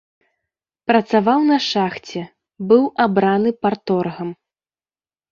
Працаваў на шахце, быў абраны парторгам.